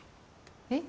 えっ？